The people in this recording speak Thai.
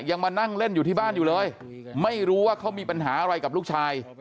มานั่งเล่นอยู่ที่บ้านอยู่เลยไม่รู้ว่าเขามีปัญหาอะไรกับลูกชาย